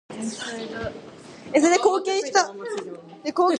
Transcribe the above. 我到河北省来